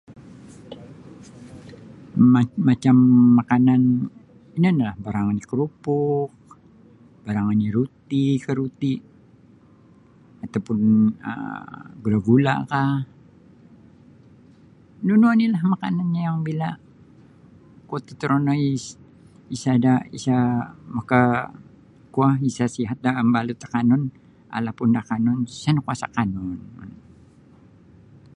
Ma macam makanan ino nio barang oni' karupuk barang oni ruti' ka ruti' atau pun um gula-gula'kah nunu onilah makanan yang bila kuo totorono is isada' isa maka kuo isa sihat da ambalut akanun alapun da akanun isa' nio kuasa' akanun.